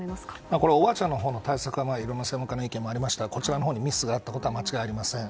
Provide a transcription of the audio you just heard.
これはおばあちゃんのほうの対策はいろんな対策が専門家の意見もありましたがこちらのほうにミスがあったことは間違いありません。